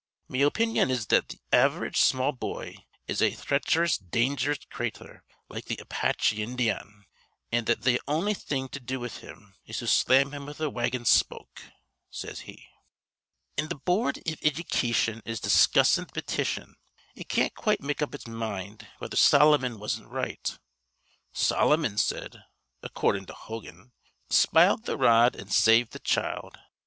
Me opinyon is that th' av'rage small boy is a threecherous, dangerous crather like th' Apachy Indyan' an' that th' on'y thing to do with him is to slam him with a wagon spoke,' says he. "An th' boord iv iddycation is discussin' th' petition. It can't quite make up its mind whether Solomon wasn't right. Solomon said, accordin' to Hogan, spile th' rod an' save th' child.